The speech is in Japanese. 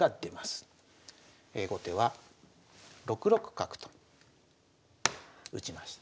後手は６六角と打ちました。